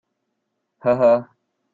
呵呵！